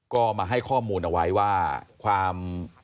ก็มาให้ข้อมูลเอาไว้ว่าความ